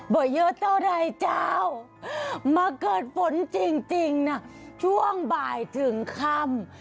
บ่อยเยอะเท่าไรเจ้ามาเกิดฝนจริงนะช่วงบ่ายถึงค่ำ